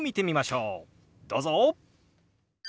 どうぞ！